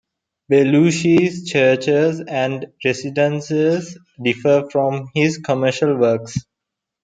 Belluschi's churches and residences differed from his commercial works.